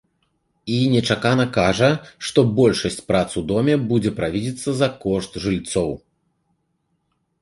І нечакана кажа, што большасць прац у доме будзе правідзіцца за кошт жыльцоў.